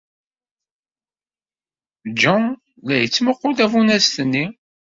Jean la yettmuqqul tafunast-nni.